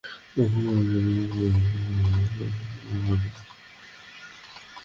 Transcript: স্থানীয় একটি নিরাপত্তা সূত্র জানায়, নিহতদের লাশ দিয়ালার বাকুবা শহরের হাসপাতালে নেওয়া হচ্ছিল।